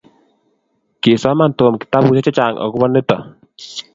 kisoman Tom kitabusiek chechang akobo nito